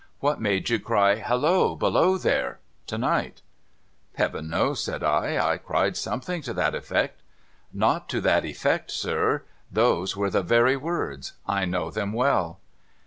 What made you cry, " Halloa ! Below there !" to night ?'' Heaven knows,' said L ' I cried something to that effect '' Not to that effect, sir. Those were the very words. I know them well.'